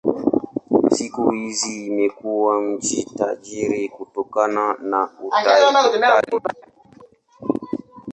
Siku hizi imekuwa nchi tajiri kutokana na utalii.